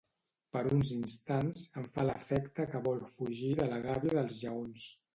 Per uns instants, em fa l'efecte que vol fugir de la gàbia dels lleons.